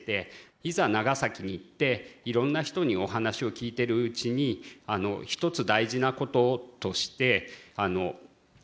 いざ長崎に行っていろんな人にお話を聞いてるうちに一つ大事なこととして原爆が落ちたのは長崎ではない。